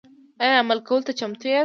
ایا عمل کولو ته چمتو یاست؟